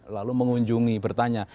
lalu mengunjungi bertanya